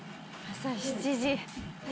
朝７時。